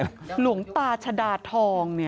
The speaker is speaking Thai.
หลวงตาชะดาทองเนี่ย